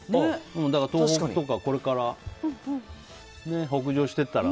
東北とかこれから北上していったら。